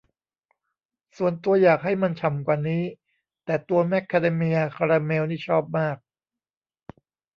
ส่วนตัวอยากให้มันฉ่ำกว่านี้ แต่ตัวแมคคาเดเมียคาราเมลนี่ชอบมาก